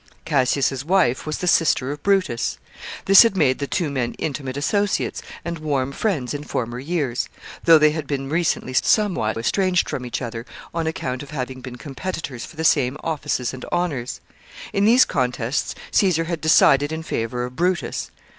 Cassius's wife was the sister of Brutus. This had made the two men intimate associates and warm friends in former years, though they had been recently somewhat estranged from each other on account of having been competitors for the same offices and honors. In these contests Caesar had decided in favor of Brutus.